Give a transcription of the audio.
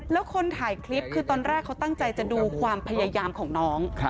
แล้วคนถ่ายคลิปคือตอนแรกเขาตั้งใจจะดูความพยายามของน้อง